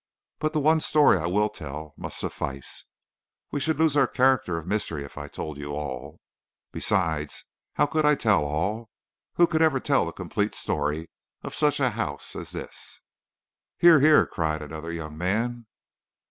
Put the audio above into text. But the one story I will tell must suffice. We should lose our character of mystery if I told you all. Besides, how could I tell all? Who could ever tell the complete story of such a house as this?" "Hear! hear!" cried another young man.